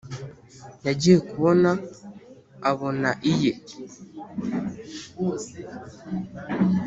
yagiye kubona abona iye